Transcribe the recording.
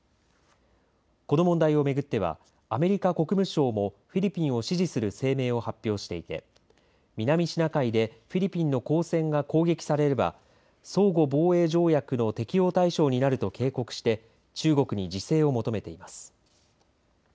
この問題を巡ってはアメリカ国務省もフィリピンを支持する声明を発表していて南シナ海でフィリピンの公船が攻撃されれば相互防衛条約の適用対象になると警告して中国に自制を求めています。